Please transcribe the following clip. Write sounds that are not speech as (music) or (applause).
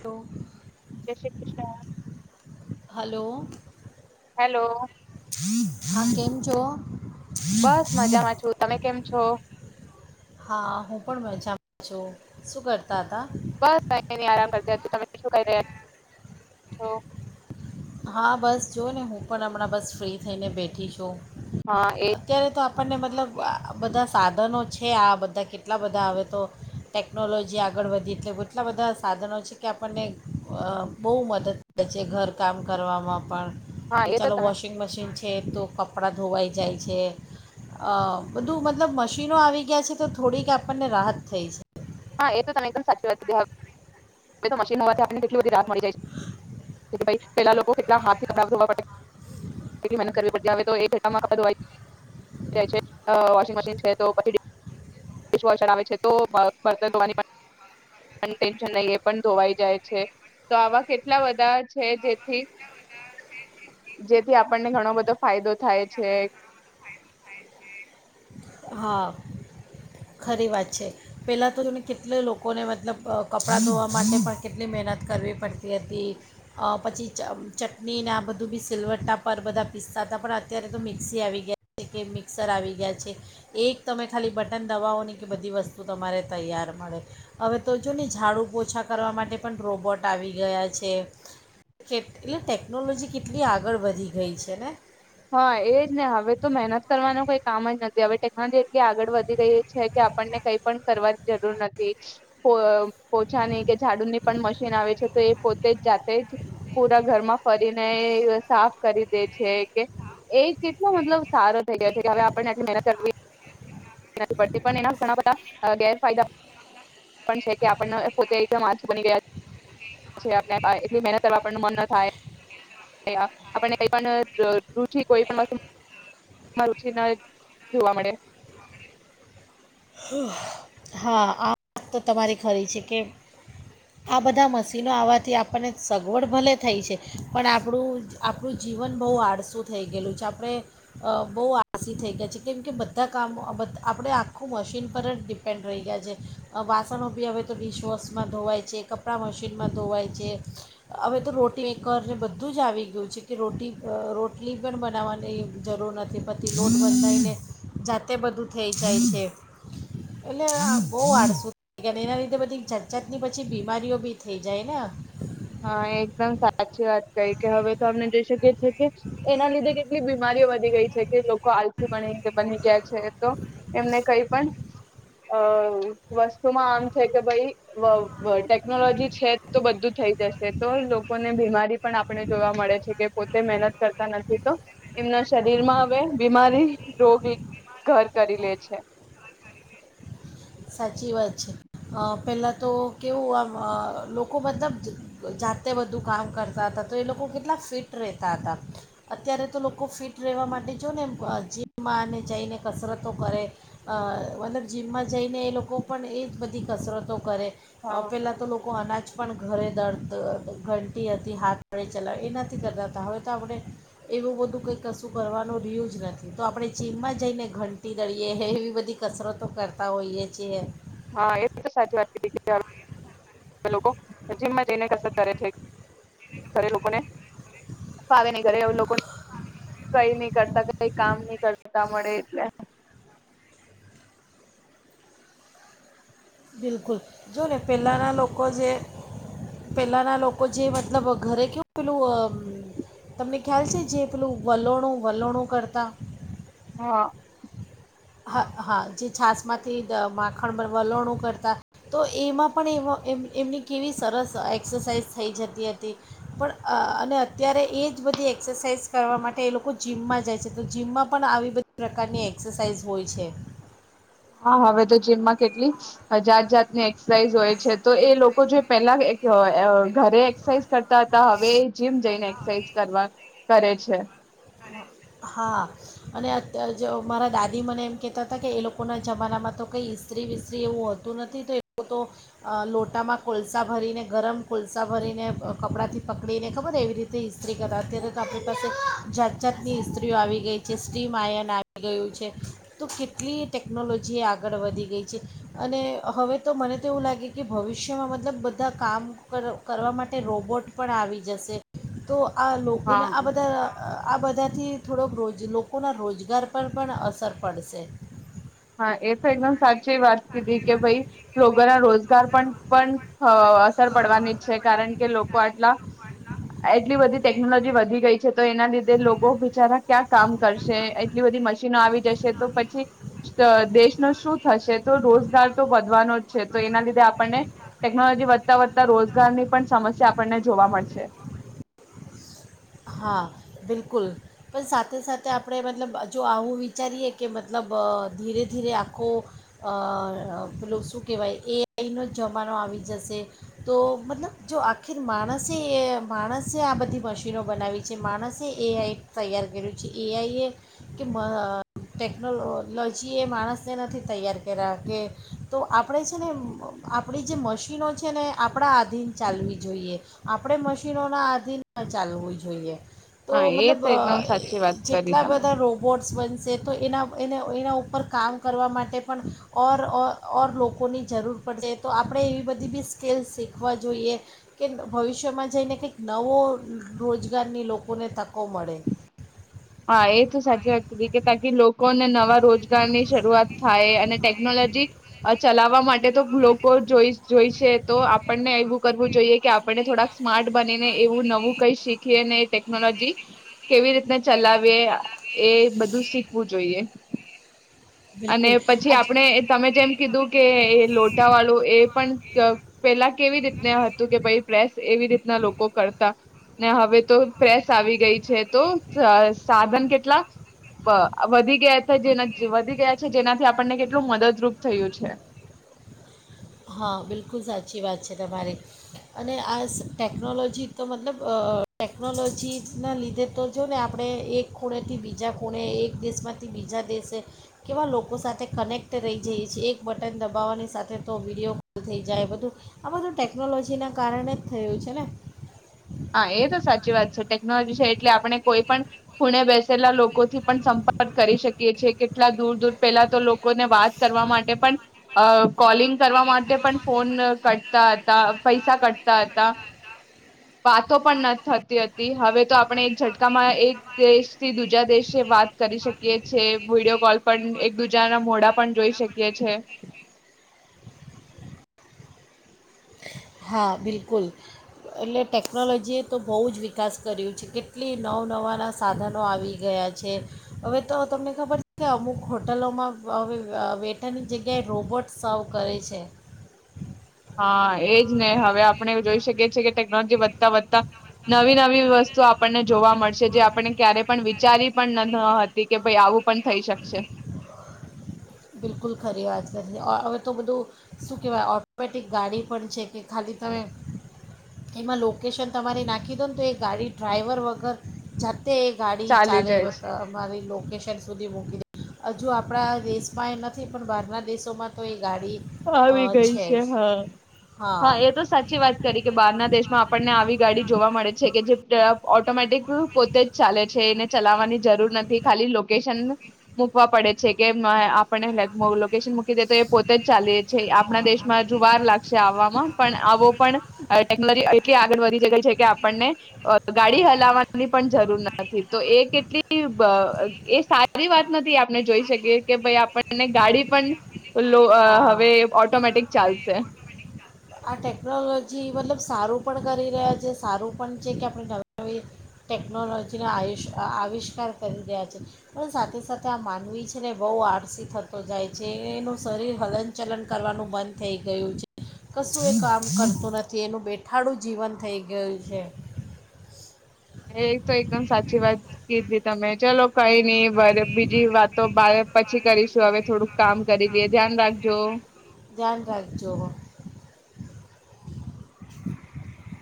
તો જય Shri Krishna, hello hello હા કેમ છો બસ મજામાં છું તમે કેમ છો? હા હું પણ મજામાં છું, શું કરતા હતા? બસ અ નની આરામ કરતા તમે શું ક રહ્યા હા બસ જો ને હું પણ હમણાં બસ ફ્રી થઈને બેઠી છું. હા એ અત્યારે તો આપ આપણને મતલબ બધા સાધનો છે આ બધા કેટલા બધા હવે તો, ટેકનોલોજી આગળ વધી એટલે એટલા બધા સાધનો છે કે આપણને બહુ મદદ થે છે ઘર કામ કરવામાં પણ. હા કે એ તો ચાલો તમે વોશિંગ મશીન છે. છે તો કપડાં ધોવાઈ જાય છે, બધું મતલબ મશીનો આવી ગયા છે તો થોડીક આપણને રાહત થઈ છે. હા એ તો તમે એકદમ સાચી વાતીધીવે મશીન હોવાથી આપણને કેટલી બધી રાહત મળી જાય પેલા લોકો કેટલા હાથ થી ક ધોવા પડે કેલી મનત કરવી પડતી. (unintelligible) વોશિંગ મશીન છે તો પછીર આવે છે તો બતનવાની નહી એ પણ ધોવાઈ જાય છે તો આવા કેટલા બધા છે જેથી જેથી આપણને ઘણો બધો ફાયદો થાય છે. (unintelligible) હા, ખરી વાત છે, પહેલાં તો એને કેટલા લોકોને મતલબ કપડાં ધોવા માટે પણ કેટલી મહેનત કરવી પડતી હતી, પછી ચટણીને આ બધું બી સીલવટા પર બધા પીસ્તા હતા પણ અત્યારે તો મિક્સી આવી ગયા છે કે મિક્સર આવી ગયા છે. એક તમે ખાલી બટન દબાવો નહી કે બધી વસ્તુ તમારે તૈયાર મળે, હવે તો જો ને ઝાડું ઓછા કરવા માટે પણ રોબોટ આવી ગયા છે, એટલે ટેકનોલોજી કેટલી આગળ વધી ગઈ છે ને. હા એજ ને હવે તો મહેનત કરવાનું કોઈ કામ જ નથી હવે ટેકનોલોજી એટલી આગળ વધી રહી છે કે આપણને કઈ પણ કરવાની જરૂર નથી, પોછાની કે ઝાડુની પણ મશીન આવે છે તો એ પોતે જ જાતે જ પૂરા ઘરમાં ફરીને સાફ કરી દે છે. એ કેટલો મતલબ સારો થઈ ગયો છે કે હવે આપને આટલી મહેનત કરવી પડતી પણ એના ઘણા બધા ગેરફાયદા પણ છે કે આપ પોતેમ આું બની ગયાટ મહેનત કરવા મન ન થાય. (unintelligible) આપને કઈ પણ રુચિ કોઈ પણ વસ્તુ રુચિ ના જોવા મળે. (unintelligible) હા આ વાત તો તમારી ખરી છે કે, આ બધા મશીનો આવવાથી આપણને સગવડ ભલે થઈ છે, પણ આપણું આપણું જીવન બહુ આળસું થઈ ગયેલું છે આપણે, બહુ આળસી થઈ ગયા છે કેમ કે બધા કામો બધ આપણે આખું. આખું મશીન પર જ ડિપેન્ડ રહી ગયા છે, વાસણો બી હવે તો ડિશવોશમાં ધોવાય છે કપડાં મશીનમાં ધોવાય છે, હવે તો રોટી કરને બધું જ આવી ગયું છે કે રોટી રોટલી પણ બનાવવાની જરૂર નથી પતિ લોટ બતાવીને જાતે બધું થઈ જાય છે. એટલે બહ આળસુ થ એના લીધે બધી જાત જાત ની પછી બીમારીઓ બી થઈ જાય ને. હા એકદમ સાચી વાત કઈ કે હવે તો આપને જોઈ શકીએ છીએ કે, એના લીધે કેટલી બીમારીઓ વધી ગઈ છે, કે લોકો આલસી બની ગયા છે તો, એમને કઈ પણ અ વસ્તુમાં આમ છે કે ભાઈ ટેકનોલોજી છે તો બધું થઈ જશે તો લોકોને બીમારી પણ આપણે જોવા મળે છે કે પોતે મહેનત કરતા નથી તો, એમના શરીરમાં હવે બીમારી રોગ ઘર કરી લે છે. સાચી વાત છે. પહેલાં તો કેવું આમ લોકો મતલબ જાતે બધું કામ કરતા હતા તો એ લોકો કેટલા ફિટ રહેતા હતા, અત્યારે તો લોકો ફિટ રહેવા માટે જો ને એમ જીમમાં અને જઈને કસરતો કરે, મતલબ જીમમાં જઈને એ લોકો પણ એ જ બધી કસરતો કરે હા પેલા તો લોકો અનાજ પણ ઘરે દડ ઘંટી હતી હાથ વડે ચલાવે એ નથી કરતા હતા હવે તો આપણે, એવું બધું કંઈ કશું કરવાનું રહ્યું જ નથી, તો આપણે ચીમમાં જઈને ઘંટી લડીએ એવી બધી કસરતો કરતા હોઈએ છીએ. હા એ બધ તો સાચી વાત કરી લોકો, જીમમાં જઈને કસરત કરે છે. ખરે લોકોને ફાવ નહી કરે એ લોકો (inaudible) કઈ નઈ કરતા કઈ કામ નઈ કરતા મળે એટલે બિલકુલ જો ને પહેલાંના લોકો જે પહેલાંના લોકો જે મતલબ ઘરે કેવું પેલું તમને ખ્યાલ છે. જે પેલું વલોણું વલોણું કરતા હા. હા હા જે છાસમાંથી માખણ પર વલણું કરતા તો એમાં પણ એ એમ એમની કેવી સરસ એક્સરસાઇઝ થઈ જતી હતી. પણ અને અત્યારે એ જ બધી એક્સરસાઇઝ કરવા માટે એ લોકો જીમમાં જાય છે. તો જીમમાં પણ આવી બધી પ્રકારની એક્સરસાઇઝ હોય છે. હા હવે તો જીમમાં કેટલી જાત જાતની એક્સરસાઇઝ હોય છે તો એ લોકો જો પેલા ઘરે એક્સરસાઇઝ કરતા હતા. હવે જીમ જઈને એક્સરસાઇઝ કરવા કરે છે. હા અને અત જો મારા દાદી મને એમ કહેતા હતા. કે એ લોકોના જમાનામાં તો કંઈ ઇસ્ત્રી વિસ્ત્રી એવું હોતું નથી તો એ લોકો તો લોટામાં કોલસા ભરીને ગરમ કોલસા ભરીને કપડાંથી પકડીને ખબર એવી રીતે ઇસ્ત્રી કરતા અત્યારે તો આપણી પાસે જાત જાતની ઇસ્ત્રીઓ આવી ગઈ છે. સ્ટીમ આયન આવી ગયું છે. તો કેટલી ટેકનોલોજી આગળ વધી ગઈ છે. અને હવે તો મને તો એવું લાગે કે ભવિષ્યમાં મતલબ બધા કામ કર કરવા માટે રોબોટ પણ આવી જશે તો આ લોકો હા એને આ બધા આ બધાથી થોડોક રોજ લોકોના રોજગાર પર પણ અસર પડશે હા એ તો એકદમ સાચી વાત કીધી કે ભાઈ લોકોના રોજગાર પણ પણ અસર પડવાની જ છે કારણ કે લોકો આટલા એટલી બધી ટેકનોલોજી વધી ગઈ છે તો એના દીધે લોકો બચારા ક્યાં કામ કરશે એટલી બધી મશીનો આવી જશે તો પછી દેશનો શું થશે તો રોજગાર તો વધવાનો જ છે. તો એના લીધે આપણને ટેકનોલોજી વધતા-વધતા રોજગારની પણ સમસ્યા આપણને જોવા મળશે. હા બિલકુલ પણ સાથે સાથે આપણે મતલબ જો આવું વિચારીએ કે મતલબ ધીરે-ધીરે આખો પેલું શું કહેવાય એઆઈનો જમાનો આવી જશે તો મતલબ જો આખીર માણસે એ માણસે આ બધી મશીનો બનાવી છે માણસે એઆઈ તૈયાર કર્યું છે. એઆઈએ કે ટેકનોલોજીએ માણસને નથી તૈયાર કર્યા કે તો આપણે છે. ને આપણી જે મશીનો છે. ને આપણા આધીન ચાલવી જોઈએ આપણે મશીનોના આધીન ચાલવું જોઈએ. જોઈએ તો હા એ મતલબ તો એકદમ સાચી વાત કરી જેટલા તમે. બધા રોબોટ્સ બન છે, તો એના એને એના ઉપર કામ કરવા માટે પણ ઓર ઓ ઓર લોકોની જરૂર પડશે, તો આપણે એવી બધી બી સ્કીલ શીખવા જોઈએ, કે ભવિષ્યમાં જઈને કંઈક નવો રોજ ગારની લોકોને તકો મળે. હા એ તો સાચી વાત કીધી કે તાકી લોકોને નવા રોજગાર ની શરૂઆત થાય અને ટેકનોલોજી ચલાવવા માટે ટે એતો લોકો જોઈ જોઈ છે તો આપણને કરવું જોઈએ, કે આપણને થોડાક સ્માર્ટ બનીને એવું નવું કઈ શીખ એ અને એ ટેકનોલોજી કેવી રીતના ચલાવીએ એ બધું શીખવું જોઈએ. અને બિલકુલ પછી આજ આપણે તમે જેમ કીધું કે લોટાવાળું, એ પણ પેલા કેવી રીતના હતું કે ભાઈ પ્રેસ એવી રીતના લોકો કરતા ને હવે તો પ્રેસ આવી ગઈ છે. તો સાધન કેટલા વધી ગયા હતા, જેના વધી ગયા જેનાથી આપણને કેટલું મદદરૂપ થયું છે. હા, બિલકુલ સાચી વાત છે તમારી અને આ ટેકનોલોજી તો મતલબ ટેકનોલોજીના લીધે તો જો ને આપણે એક ખૂણેથી બીજા ખૂણે, એક દેશમાંથી બીજા દેશે કેવા લોકો સાથે કનેક્ટ રહી જઈએ છીએ. એક બટન દબાવવાની સાથે તો વિડીયો કોલ થઈ જાય બધું. આ બધું ટેકનોલોજીના કારણેજ થયું છે ને હા એ તો સાચી વાત છે ટેકનોલોજી છે એટલે આપણે કોઈ પણ ખૂણે બેસેલા લોકો થી પણ સંપર્ક કરી શકીએ છે, કેટલા દૂર દૂર પેલા તો લોકોને વાત કરવા માટે પણ, કોલિંગ કરવા માટે પણ, ફોન કટતા હતા, પૈસા કટતા હતા. વાતો પણ ન થતી હતી. હવે તો આપણે એક ઝટકામાં એક દેશથી દીજા દશે વાત કરી શકીએ છીએ, વિડીયો કોલ પણ એક દુ એક બીજા ના મોડા પણ જોઈ શકીએ છે. હા, બિલકુલ એટલે ટેકનોલોજીએ તો બહુ જ વિકાસ કર્યું છે, કેટલી નવ નવાના સાધનો આવી ગયા છે. હવે તો તમને ખબર છે કે અમુક હોટલોમાં હવે વેટરની જગ્યાએ રોબોટ સર્વ કરે છે. હા, એજને હવે આપણે જોઈ શકીએ છે કે ટેકનોલોજી વધતા વધતા નવી નવી વસ્તુ આપણને જોવા મળશે જે આપને ક્યારેય પણ વિચારી પણ ન હતી, કે ભાઈ આવું પણ થઈ શકશે. બિલકુલ ખરી વાત કરી હવે તો બધું શું કહેવાય ઓટોમેટિક ગાડી પણ છે કે ખાલી તમે એમાં લોકેશન તમારી નાખી દો ને તો એ ગાડી ડ્રાાઈવર વગર જા તે ગાડી ચાલી ચાલે જાય છે. હતા અમારી લોકેશન સુધી મૂકી દ હજુ આપણા દેશ માં એ નથી પણ બહારના દેશોમાં તો એ ગાડી અ, આવી ગઈ છે જ હા હા એ તો સાચી વાત કરી કે બહારના દેશમાં આપણને આવી ગાડી જોવા મળે છે કે જે ઓટોમેટિક પોતે જ ચાલે છે એને ચલાવવાની જરૂર નથી ખાલી લોકો મક પડે છે કે આપકેશન મૂકી દે તો એ પોતે ચાલીએ છે આપણા હા દેશમાં જુવાર લાગશે આવવામાં પણ આવો પણ ટેકનોલોજી એટલી આગળ વધી જ ગઈ છે કે આપણને ગાડી હલાવાની પણ જરૂર નથી તો એ કેટલી એ સારી વાત નથી આપ. આપ જોઈ શકીએ કે ભાઈ આપણને ગાડી પણ લો હા આ ટેકનોલોજી મતલબ સારું પણ કરી રહ્યા છે સારું પણ છે કે આપણે નવી નવી ટેકનોલોજીનો આયુષ આવિષ્કાર કરી રહ્યા છેએ પણ સાથે સાથે આ માન છે ને બહુ આળસી થતો જાય છે એનું શરીર હલન ચલન કરવાનું બંધ થઈ ગયું છે કશું એ કામ કરતું નથી એનું બેઠાડું જીવન થઈ ગયું છે. એ તો એકદમ સાચી વાત કીધી તમે ચલો. કઈ નઈ બરે બીજી વાતો બાર પછી કરીશું હવે થોડુંક કામ કરી લઈએ ધ્યાન રાખજો. ધ્યાન રાખજો (inaudible)